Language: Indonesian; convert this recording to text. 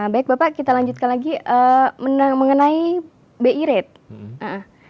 baik bapak kita lanjutkan lagi mengenai bi rate